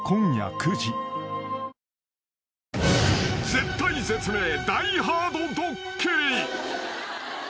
［絶体絶命大・ハードドッキリ］